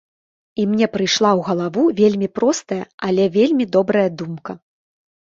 І мне прыйшла ў галаву вельмі простая, але вельмі добрая думка.